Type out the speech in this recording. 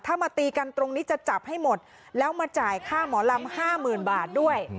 ถ้ามาตีกันตรงนี้จะจับให้หมดแล้วมาจ่ายค่าหมอลำห้าหมื่นบาทด้วย